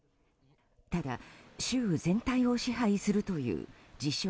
ただ、州全体を支配するという自称